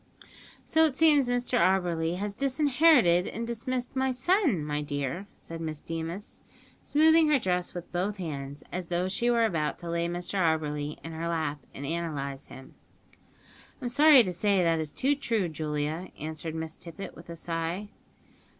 "So it seems Mr Auberly has disinherited and dismissed his son, my dear," said Miss Deemas, smoothing her dress with both hands, as though she were about to lay Mr Auberly in her lap, and analyse him. "I'm sorry to say that it is too true, Julia," answered Miss Tippet, with a sigh.